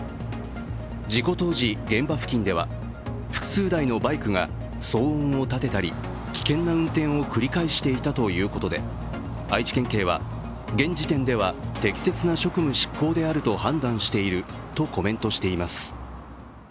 事故当時、現場付近では複数台のバイクが騒音を立てたり危険な運転を繰り返していたということで愛知県警は、現時点では適切な職務執行であると判断しているとコメントしています。